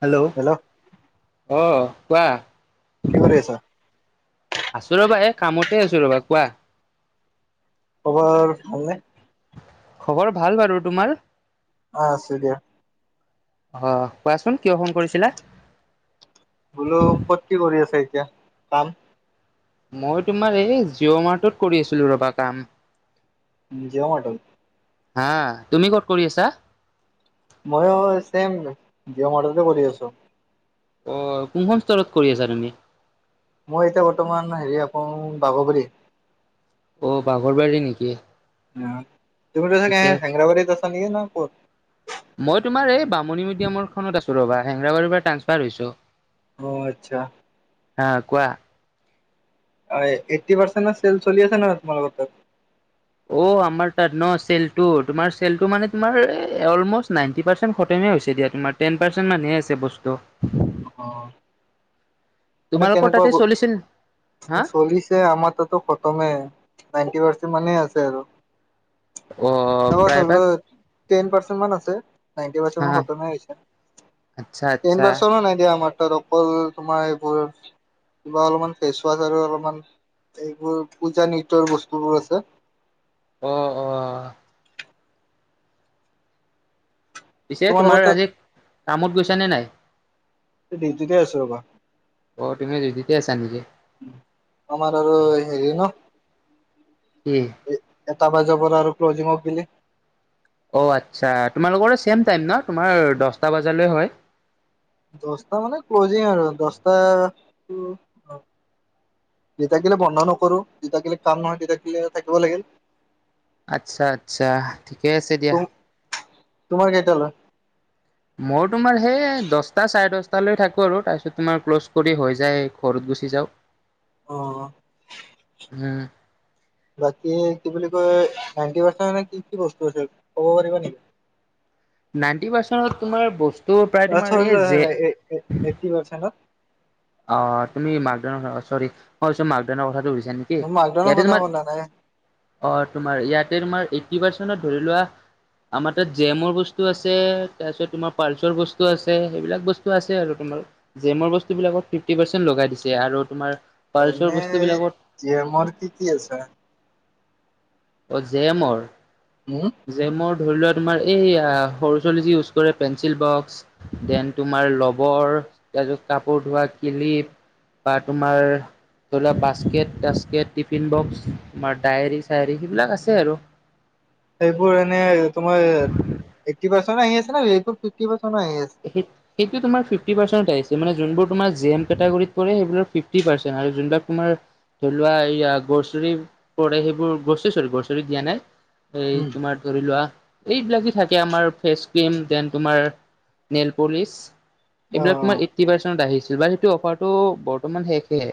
Hello অ' কোৱা কি কৰি আছা? আছো ৰবা, এই কামতে আছো ৰবা, কোৱা। খবৰ ভালনে? খবৰ ভাল বাৰু, তোমাৰ? অ' আছোঁ দিয়া। আহ কোৱাচোন কিয় ফোন কৰিছিলা? বোলো কত কি কৰি আছে এতিয়া কাম? মই তোমাৰ এই জিঅ' মাৰ্টত কৰি আছিলো ৰবা কাম। জিঅ' মাৰ্টত হা, তুমি ক'ত কৰি আছা? মইয়ো চেম জিঅ' মাৰ্টতে কৰি আছোঁ। অ' কোনখন স্তৰত কৰি আছা তুমি? মই এতিয়া বৰ্তমান হেৰি এখন বাহোগড়িত অ' বাগৰ বাৰি নেকি? অ' তুমিতো ছাগে ঠিকে হেংগাৰা বাৰিত আছা নেকি ন ক'ত। মই তোমাৰ এই বামুণী মিডিয়ামৰ খনত আছোঁ ৰবা, হেংৰাবাৰীৰ পৰা ট্ৰান্সফাৰ হৈছোঁ। অ' আচ্ছা। আহ কোৱা। অ' এইটি পাৰ্চেন্টত চেল চলি আছে ন তোমালোকৰ তাত। অ' আমাৰ তাত ন চেলতো তোমাৰ চেলটো মানে তোমাৰ চেলটো তোমাৰ এই অলমোৰচ নাইনটি পাৰ্চেন্টেজ পৰণ্টেচেল শেষে হৈছে দিয় তোমাৰ টেন পাৰ্চেন্টে মানহে আছে বস্তু। অহ' এনে তোমালোকৰ কেনেকুৱা তাতে চলিছিল হা বোৰ চলিছে আমাৰ তাতো খতমে নাইনটি পাচেণ্ট কিমানে আছে আৰু অ', আকৌ প্ৰায়ভাগ থ'বলৈ টেন পাচেণ্ট তোমত আছে নাইনটি হা পাৰ্চেন্টেও খতমে হৈছে, আচ্ছা ট্ৰেন আচ্ছা পাচেণ্টও তাত অকল তোমাৰ এইবোৰৰ কিবা অলপমান ফেচ ৱাছ আৰু অলমান এইবোৰ পূজা নৃত্যয়ৰ বস্তুবোৰ আছে। অহ, অহ। পিছে তোমালোকৰ তোমাৰ তাত আজি কামত গৈছ নে নাই? দিউটিতে আছোঁ ৰ'বা। অ', তুমি দিউটিতে আছা নেকি? আমাৰ আৰু হেৰি ন'। কি? এটা বাজাৰ পৰা আৰু ক্লজিঙক পিনে। অ', আচ্ছা, তোমালোকৰ চেম টাইম ন' তোমাৰ দশটা বাজালৈ হয়। দশটা মানে ক্লজিং আৰু দশটা যেতিয়াক গিলে বন্ধ নকৰোঁ, যেতিয়াক গিলে কাম নহয় তেতিয়াক গিলে থাকিব লাগিল। আচ্ছা, আচ্ছা, ঠিকে আছে দিয়া। তোমাৰ কেইটালৈ? মই তোমাৰ সেই দশটা চাৰে দশটা লৈ থাকো আৰু তাৰপিছত তোমাৰ ক্ল'জ কৰি হৈ যায়, ঘৰত গুচি যাওঁ। অ'। উম। বাকী কি বুলি কয় নাইনটি [unintelligible] কি কি বস্তু আছে ক'ব পাৰিবা নেকি? [inaudible] নাইনটি পাৰ্চেণ্টত তোমাৰ বচ [unintelligible] এ এ এট্টি পাৰ্চেন্তত। অ' তুমি মাকদান চৰি মই [unintelligible] মাকদানৰ কথাটো সু এনেকে, মাকডনৰ ইয়াতে কথা তোমাৰ, ক'লা নাই অ' তোমাৰ ইয়াতে তোমাৰ টি পাৰ্চেনত ধৰি লোৱা আমাৰ তাত জে এমৰ বস্তু আছে, তাৰপিছত তোমাৰ পাল্চৰ বস্তু আছে, সেইবিলাক বস্তু আছে আৰু তোম জে এমৰ বস্তু বিলাকত ফিফটি পাৰ্চেন্ট লগাই দিছে আৰু তোমাৰ পাৰ্চৰ এনেই বস্তুবিলাকত জে এমৰ কি কি আছে? অ' জে এমৰ, উম জে এমৰ ধৰি লোৱা তোমাৰ এই সৰু ছোৱালী যি ইউজ কৰে পেঞ্চিল বক্স দেন তোমাৰ লবৰ, তাৰপিছত কাপোৰ, তোমাৰ কিলিপ বা তোমাৰ, ধৰি লোৱা বাস্কেট টাস্কেট, টিফিন বক্স, তোমাৰ ডায়েৰী-চায়েৰী সেইবিলাক আছে আৰু। এইবোৰ এনে তোমাৰ, এট্টি পাৰ্চেনত আহি আছে না এইটো ফিফটিমান [unintelligible] সেইটো তোমাৰ ফিফটি পাৰ্চেণ্টত আহিছ মানে যোনবোৰ তোমাৰ জে এম কেটাগোৰীত পৰে সেইবিলাক ফিফটি পাৰ্চেণ্ট আৰু যোনবিলাক তোমাৰ ধৰি লোৱা এইয়া গ্ৰছেৰি পৰে, সেইবোৰ গ্ৰছেৰি চৰি গ্ৰছেৰি দিয়া নাই? এই উম তোমাৰ ধৰি লোৱা, এইবিলাকে যে থাকে আমাৰ, ফেচ ক্ৰীম দেন তোমাৰ নেইল প'লিছ, অ এইবিলাক তোমাৰ এইটি পাৰ্চেনত আহি যা দিৱালিটো অফাৰটো বৰ্তমান শেষে।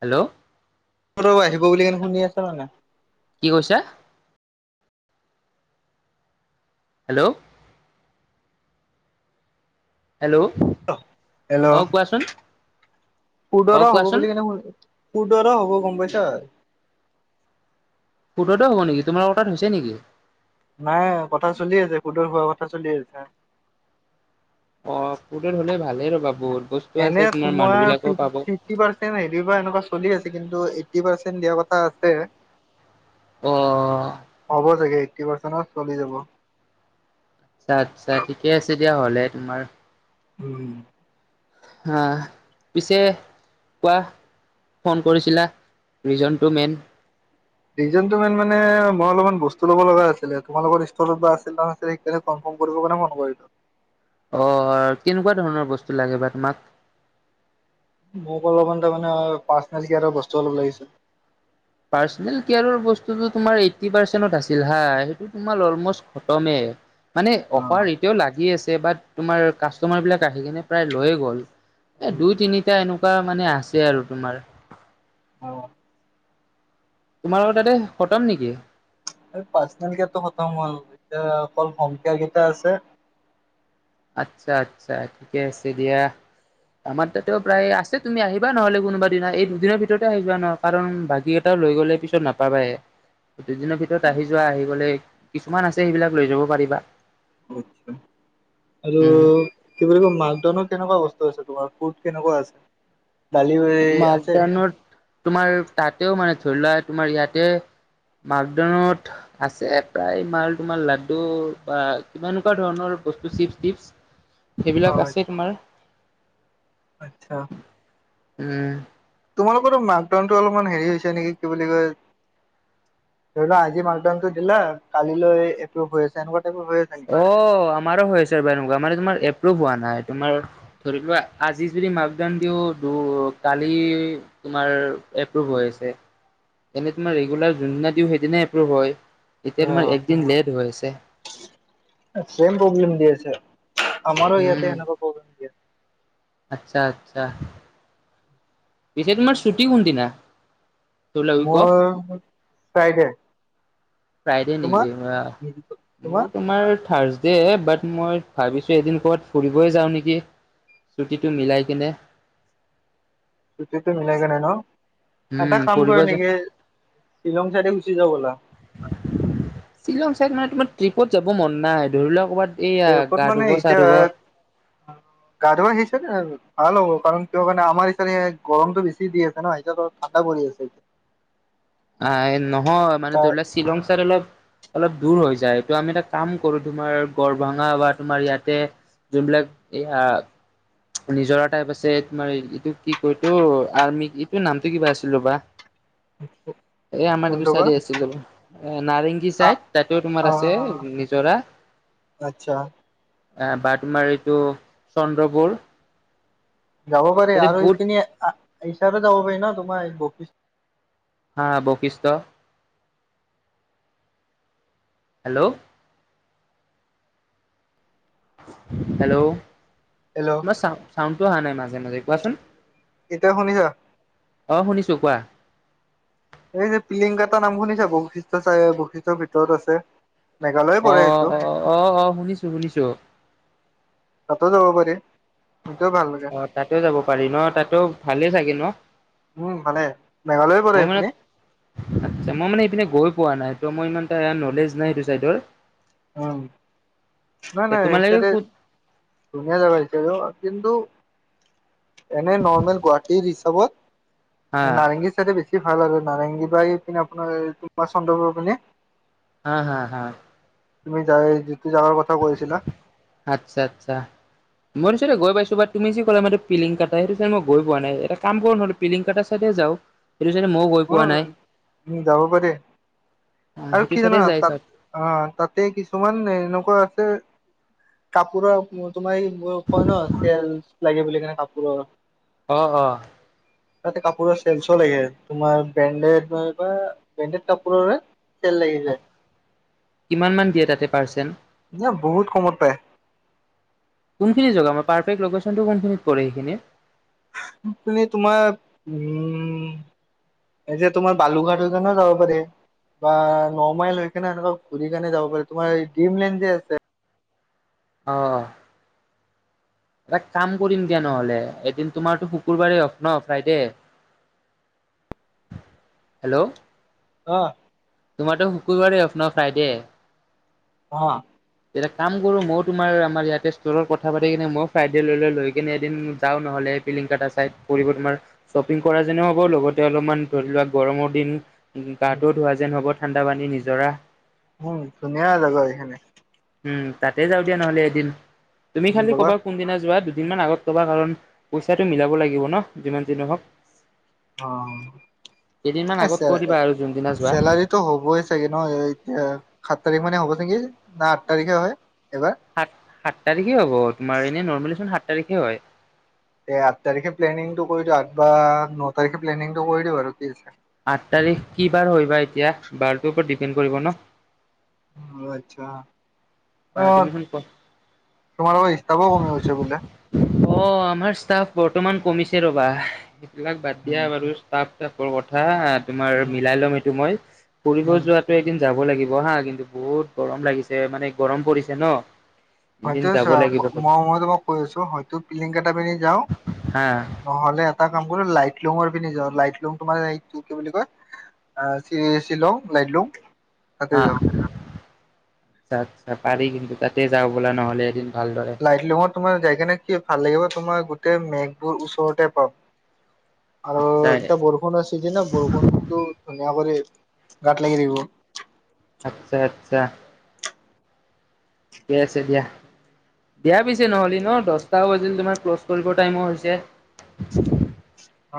হেল্ল'। [unintelligible] আহিব বুলি কেনে শুনি আছা নে নাই? কি কৈছা? হেল্ল' হেল্ল', অ' কোৱাচোন। অ সুদৰ হ'ব কোৱাচোন বুলি কেনে, সুদৰ হ'ব গম পাইছা? সুদৰ হ'ব নেকি তোমালোকৰ তাত হৈছে নেকি? নাই কথা চলি আছে, সুদৰ হোৱা কথা চলি আছে। অ', সুদৰ হ'লে ভালেই ৰ'বা বহুত বস্তু আছে এনে মানুহ তোমাৰ বিলাকেও পাব ফিফ-ফিফটি পাৰ্চেন্ট হেৰি পৰা এনেকুৱা চলি আছিল কিন্তু এইট্টি পাৰ্চেন্ট দিয়া কথা আছে, অ হ'ব চাগে। ফিফটি পাৰ্চেণ্টত চলি যাব। আচ্ছা আচ্ছা, ঠিকে আছে দিয়া হ'লে তোমাৰ উম। অ', পিছে কোৱা। ফোন কৰিছিলা, ৰিজনটো মেইন। ৰিজনটো মেইন মানে মই অলপমান বস্তু ল'ব লগা আছিলে, তোমালোকৰ ইস্তলৰ পৰা আছিল নহয়, সেইকাৰণে ফোন [unintelligible] কৰিব কাৰণে ফোন কৰিলো। অ' অ', কেনেকুৱা ধৰণৰ বস্তু লাগে বা তোমাক। মোক অলপমান তাৰ মানে পাৰ্চনেল কেয়াৰৰ বস্তু অলপ লাগিছিল। পাৰ্চনেল কেয়াৰৰ বস্তুটো তোমাৰ এইট্টি পাৰ্চেণ্টত আছিল হা, সেইটো তোমাৰ অলম'ষ্ট খতমেই। মানে অফাৰ এতিয়াও লাগি আছে, বাত তোমাৰ কাষ্টমাৰ বিলাক আহি কিনে প্ৰায় লৈয়ে গ'ল। এ দুই তিনিটা এনেকুৱা মানে আছে আৰু তোমাৰ। অ'। তোমালোকৰ তাতে খটম নেকি? পাৰ্চনেল কেয়াৰটো খতম হ'ল, এতিয়া অকল হ'ম কেয়াৰ কেইটা আছে আচ্ছা আচ্ছা, ঠিকে আছে দিয়া। আমাৰ তাতেও প্ৰায় আছে তুমি আহিবা নহ'লে কোনোবা দিনা, এই দুদিনৰ ভিতৰতে আহিবা নহ-কাৰণ বাকী কেইটা লৈ গ'লে পিছত নাপাবায়ে। দুদিনৰ ভিতৰত আহি যোৱা, আহি গ'লে কিছুমান আছে সেইবিলাক লৈ যাব পাৰিবা। আৰু উম কি বুলি কওঁ মাকডাউনৰ কেনেকুৱা বস তু আছে তোমাৰ ক'ত কেনেকুৱা আছে? দালি আছে? মাজদানত তোমাৰ তাতেও মানে ধৰি লোৱা তোমাৰ ইয়াতে মাকদউনত আছে প্ৰায় মাল তোমাৰ লাড্ডু বা কিবা এনেকুৱা ধৰণৰ বস্তু চিপ্চ তিপ্চ অ সেইবিলাক আছে তোমাৰ। আচ্ছা উম। তোমালোকৰো মাকডাউনটো অলপমান হেৰি হৈছে নেকি কি বুলি কয়। ধৰিলোৱা আজি মাকডাউনটো দিলা কালিলৈ এপ্ৰোভ হৈ আছে এনেকুৱা টাইপৰ হৈ আছে নেকি? অ' আমাৰো হৈ আছে এবাৰ এনেকুৱা মানে তোমাৰ। এপ্ৰোভ হোৱা নাই, তোমাৰ ধৰি লোৱা আজি যদি মাপডাওন দিওঁ টোৰ কালি তোমাৰ এপ্ৰোভ হৈ আছে, এনে তোমাৰ ৰেগুলাৰ যোনদিনা দিওঁ, সেইদিনাই এপ্ৰোভ হয়। এতিয়া তোমাৰ অ একদিন লেট হয় আছে। ছেম প্ৰব্লেম দি আছে আমাৰো ইয়াতে উম। এনেকুৱ প্ৰব্লেম দি আছে। আচ্ছা, আচ্ছা। পিছে তোমাৰ ছুটি কোন দিনা মোৰৰ ফ্ৰাইডেৰ। ফ্ৰাইডেৰ নেকি, মোৰ তোমাৰ থাৰচ দে বাট মই ভাবিছোঁ, এদিন ক'ৰবাত ফুৰিবই যাওঁ নেকি। ছুটিটো মিলাই কিনে। ছুটি টো মিল কেনে ন। উম এটা কাম ফুৰিব কৰোঁ যাম। নেকি শ্বিলং চাইডে গুচি যাওঁ ব'লা। শ্বিলং চাইত মানে তোমাৰ ট্ৰিপত যাব মন নাই ধৰি লোৱা ক'ৰবাত। এইয়া তে ক'ত গা মানে ধুব চা এতিয়া ধুব গা ধোৱা আহিছে দে আৰু ভাল হ'ব কাৰণ কিহৰ কাৰণে আমাৰ এইফালে গৰমতটো বেছি দি আছে ন এতিয়াত ঠাণ্ডা পৰি আছে। [inaudible] আহ নহয় মানে তাৰ ধৰি লোৱা শ্বিলং ছাইত অলপ অলপ দূৰ হৈ যায় টো আমি এটা কাম কৰোঁ, তোমাৰ গৰভাঙা বা তোমাৰ ইয়াতে যোনবিলাক এইয়া নিজৰা টাইপ আছে তোমাৰ এইটো কি কয় এইটো আৰ্মি এইটোৰ নামটো কিবা আছিল ৰ'বা। [inaudible] এ আমাৰ এইটো কোনটো বা চাইডে আছিল এ নাৰেংগী আহ চাইদ তাতেও তোমাৰ আছে আহ নিজৰা। আচ্ছা। অহ, বা তোমাৰ এইটো চন্দ্ৰপুৰ। যাব পাৰি তাতে আৰু বহুত এইপিনি ইচাইডেউ যাব পাৰি ন' তোমাৰ বসি হা বশিষ্ট। হেল্ল'। হেল্ল' হেল্ল' তোমাৰ চা চাউণ্ডটো আহা নাই মাজে মাজে, কোৱাচোন। এতিয়া শুনিছা অ', শুনিছোঁ কোৱা। এই যে পিলিংগকাটা নাম শুনিছা বশিষ্ট চাই বশিষ্টৰ ভিতৰত আছে। মেঘালয় পৰে সেইটো অ', অ', অ', অ', শুনিছোঁ, শুনিছোঁ। ত' যাব পাৰি। সেইটোও ভাল লাগে অ', তাতো যাব পাৰি ন'? তাতো ভালেই চাগে ন'? উম, ভালে মেঘালয়ে পৰে মই মানে সেইখিনি। আচ্ছা মই মানে এইপিনে গৈ পোৱা নাই ত' মই ইমানটা ন'লেজ নাই সেইটো চাইদৰ। অহ। নাই, নাই, তোমালোকে সিহঁতে ক'ত ধুনীয়া জাগা সেইটো কিন্তু এনে নৰ্মেল গুৱাহাটীৰ হা হিচাপত নাৰেংগীৰ চাইডে বেছি ছি ভাল আৰু নাৰেংগী বাৰ পিনে আপোনাৰ তোমাৰ চন্দ্ৰপুৰ পিনে। হা, হা, হা। তুমি যাই যিটো যাবাৰ কথা কৈছিলা আচ্ছা আচ্ছা মই নিছতে গৈ পাইছো বা তুমি যি ক'লে ম পিংটা সেইটোই মই গ পোৱা নাই এটা কাম কৰো নো পিলিং কটা চাইদেওঁ যাওঁ সেইটো চাইডে মইও গৈ পোৱা অম নাই উম যাব পাৰে আৰু সেইটো কি জানা চাইডে যাই চাওক তাত অ তাতে কিছুমান এনেকুৱা আছে কাপোৰৰ তোমাৰ এসময়ত কয় ন চেল লাগে বুলি কেনে কাপোৰৰ আহ অ ত কাপোৰৰ চেলছ লাগে তোমাৰ ব্ৰেণ্ডেড বা ব্ৰেডেড কাপোৰৰে চেল লাগি আ যায় কিমান মান দিয়ে তাতে পাৰ্চেণ্ ন বহুত কমত পায় কোনখিনি জগা আমাৰ পাৰ্প লেশনটো কোনখিনিত পৰে সেইখিনি পনে তোমাৰ উম এতিয়া তোমাৰ বালুঘাটৰ [unintelligible] যাব পাৰে বা ন মাইল হৈ কিনে এনেকুৱা ঘূৰি কেনে যাব পাৰে তোমাৰ ডিম লেন যে আছে আহ এটা কাম কৰিম দিয়া নহ'লে এদিন তোমাৰতো শুকুৰবাৰেই হওক ন ফ্ৰাইডে অ হেল্ল' আহ তোমাৰো শুকুৰবাৰে আপোনাৰ ফ্ৰাইডে অ এটা কাম কৰোঁ ময়ো তোমাৰ আমাৰ ইয়াতে ষ্ট'ৰত কথা পাতি কিনে ময় ফ্ৰাইডে লৈ লৈ লৈ কিনে এদিন যাওঁ নহ'লে ফিলিং টা টা চাই তোমাৰ শ্বপিং কৰা যেনে হ'ব লগতে অলপমান ধৰি লোৱা গৰমৰ দিন উ গাটো ধোৱা যেন হ'ব ঠাণ্ডা পানী নিজৰা উম ধুনীয়া জেগা এইখনে উম তাতে যাওঁ দিয়া নহ'লে এদিন তুমি খালি ব'লা ক'বা কোনদিনা যোৱা দুদিনমান আগত কবা কাৰণ পইচাটো মিলাব লাগিব ন যিমান দিন হওক অ আগত চ কৈ দিবা আৰু যোনদিনা যোৱা চেলাৰীটো হ'বই চাগে ন এতিয়া আঠ তাৰিখ মানে হ'ব নেকি না আঠ তাৰিখে হয় এইবাৰ সাত সাত তাৰিখে হ'ব তোমাৰ এনে নৰ্মেলি চোন সাত তাৰিখে হয় এ আঠ তাৰিখে প্লেনিংটো কৰি দি আঠ বা ন তাৰিখে প্লেনিংটো কৰি দি আৰু কি আছে আঠ তাৰিখ কি বাৰ হৈ বা এতিয়া বাৰটোৰ ওপৰত ডিপেণ্ড কৰিব ন অচ্ছা আহ তুমি চোন কোৱা তোমাৰ হি [unintelligible] বোলে অ আমাৰ ষ্টাফ বৰ্তমান কমিছে ৰ'বা সেইবিলাক বাদ দিয়া উম, বাৰু ষ্টাফ সৰু কথা তোমাৰ মিলাই ল'ম সেইটো মই ফুৰিব যোৱাতো এদিন যাব লাগিব হা কিন্তু বহুত গৰম লাগিছে মানে গৰম পৰিছে ন হয়ত এদিন চ যাব লাগিব মই ম তোমাক কৈ আছো হয়তো পিলিং কেইটা পিনি যাও হা নহ'লে এটা কাম কৰি লাইট শ্বিলঙৰ পিনে যাও লাইট লুং তোমাৰ এইটো কি বুলি কয় শ্বিলং লাইট লুং তাতেই হা যাওঁ আচ্ছা আ্ছা পাৰি কিন্তু তাতে যাওঁ ব'লে নহ'লে এদিন ভালদৰে লাইট লিঙত তোমাৰ যাই কে নে কি ভাল লাগিব তোমাৰ গোতে মেঘবোৰ ওচৰতে পাম আৰু আচ্ছা এতিয়া বৰষুণ আছেতি ন বৰষুণতটো ধুনীয়া কৰি গাত লাগি থাকিব আচ্ছা আচ্ছা ঠিকে আছে দিয়া বেয়া পিছে নহ'লেি ন দহটাও বাজিল তোমাৰ ক্ল'জ কৰিব টাইমো হৈছে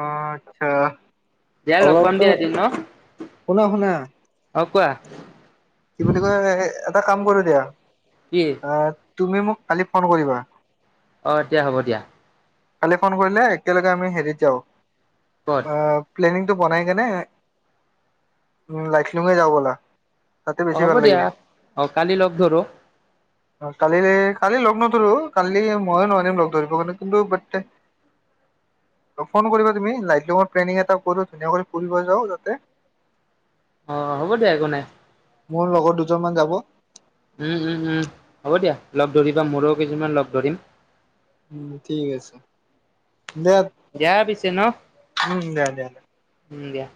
অ আচ্ছা দিয়া লগ অলপ পাম তো দিয়া এদিন ন শুনা শুনা অ কোৱা কি বুলি কয় এটা কাম কৰো কি দিয়া তুমি মোক কালি ফোন কৰিবা। অ' এতিয়া হ'ব দিয়া। কালি ফোন কৰিলে একেলগে আমি হেৰিত যাওঁ ক'ত অ' প্লেনিংটো বনাই কেনে লাইটলাময়ে যাওঁ ব'লা। তাতে অ' বেছি হ'ব ভাল দিয়া লাগিব অ' কালি লগ ধৰো কালি কালি লগ নধৰো কালি ময়ো নোৱাৰনিম লগ ধৰিব কাৰনে কিন্তু [inaudible] ফোন কৰিবা তুমি লাইটলামৰ প্লেনিং এটা কৰো ধুনিয়াকয় ফুৰিব যাও যাতে [inaudible] অ' হ'ব দিয়া একো নাই। মোৰ লগত দুজন মান যাব। উম, উম-উম হ'ব দিয়া লগ ধৰিবা মোৰো কেইজনমান লগ ধৰিম। উম ঠিক আছে। দিয়া দিয়া পিছে ন উম উম দিয়া দিয়া উম দিয়া।